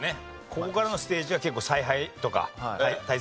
ここからのステージが結構采配とか大切ですから。